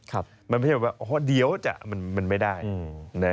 มันไม่ใช่ว่าเดี๋ยวจะมันไม่ได้